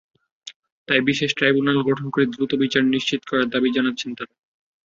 তাই বিশেষ ট্রাইব্যুনাল গঠন করে দ্রুত বিচার নিশ্চিত করার দাবি জানাচ্ছেন তাঁরা।